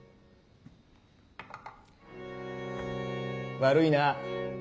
悪いな。